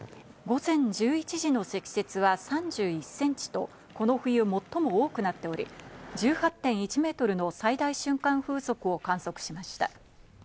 午前１１時の積雪は３１ｃｍとこの冬最も多くなっており、１８．１メートルの最大瞬間風速を観測しました。